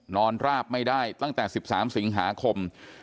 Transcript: ราบไม่ได้ตั้งแต่๑๓สิงหาคม